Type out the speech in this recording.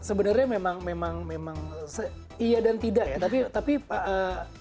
sebenernya memang iya dan tidak ya tapi kalau saya pribadi ngeliat memang kodrat ini sebuah gambaran realita yang ada di kehidupan sosial